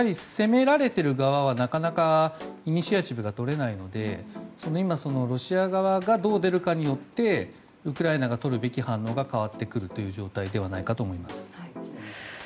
攻められている側はなかなかイニシアチブが取れないのでロシア側がどう出るかによってウクライナがとるべき反応が変わってくる状態ではないかと思います。